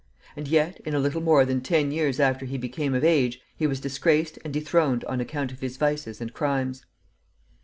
And yet, in a little more than ten years after he became of age, he was disgraced and dethroned on account of his vices and crimes.